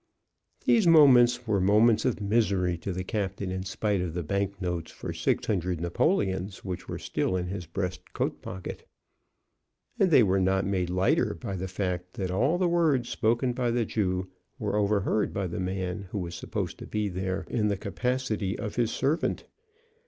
These moments were moments of misery to the captain in spite of the bank notes for six hundred napoleons which were still in his breast coat pocket. And they were not made lighter by the fact that all the words spoken by the Jew were overheard by the man who was supposed to be there in the capacity of his servant.